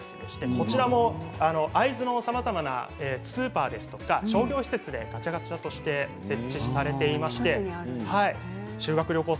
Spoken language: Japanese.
こちらは会津のさまざまなスーパーや商業施設でガチャガチャとして設置されています。